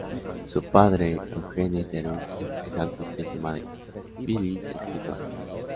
Su padre, Eugene Theroux, es artista y su madre, Phyllis, escritora.